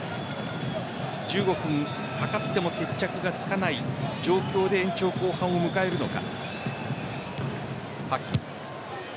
１５分かかっても決着がつかない状況で延長後半を迎えるのか。